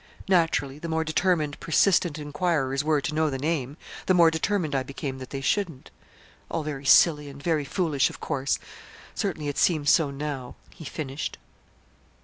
Naturally, the more determined persistent inquirers were to know the name, the more determined I became that they shouldn't. All very silly and very foolish, of course. Certainly it seems so now," he finished.